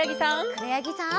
くろやぎさん。